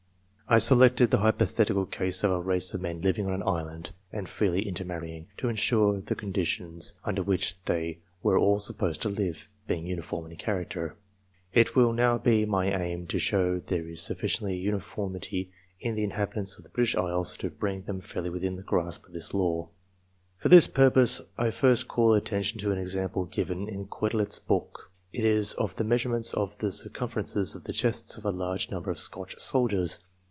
I selected the hypothetical case of a race of men living on an island and freely intermarrying, to ensure the con ditions under which they were all supposed to live, being iniform in character. It will now be my aim to show there sufficient uniformity in the inhabitants of the British les to bring them fairly within the grasp of this law. For this purpose, I first call attention to an example CLASSIFICATION OF MEN given in Quetelet's book. It is of the measurements of the circumferences of the chests of a large number of Scotch soldiers.